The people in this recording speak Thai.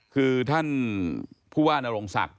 คือท่านผู้ว่านโรงศักดิ